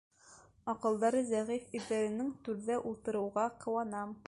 Аҡылдары зәғиф ирҙәренең Түрҙә ултырыуға ҡыуанам.